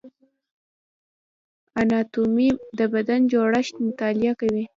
اناتومي د بدن جوړښت مطالعه کوي